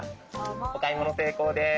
お買い物成功です。